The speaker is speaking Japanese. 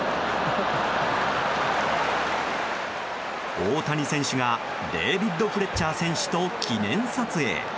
大谷選手がデービッド・フレッチャー選手と記念撮影。